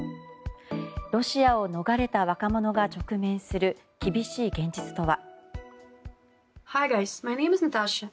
ロシアを逃れた若者が直面する厳しい現実とは？